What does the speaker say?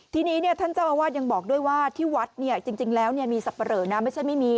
ทีนี้ท่านเจ้าอาวาสยังบอกด้วยว่าที่วัดเนี่ยจริงแล้วมีสับปะเหลอนะไม่ใช่ไม่มี